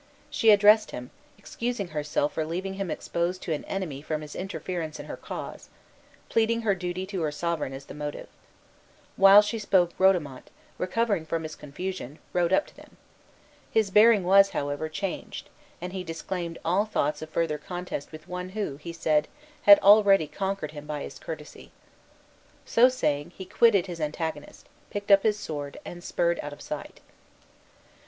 She addressed him, excusing herself for leaving him exposed to an enemy from his interference in her cause; pleading her duty to her sovereign as the motive. While she spoke Rodomont, recovered from his confusion, rode up to them. His bearing was, however, changed; and he disclaimed all thoughts of further contest with one who, he said, "had already conquered him by his courtesy." So saying, he quitted his antagonist, picked up his sword, and spurred out of sight.